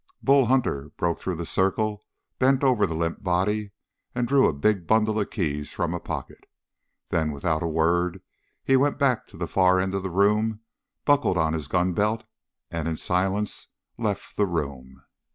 Bull Hunter broke through the circle, bent over the limp body, and drew a big bundle of keys from a pocket. Then, without a word, he went back to the far end of the room, buckled on his gun belt, and in silence left the room.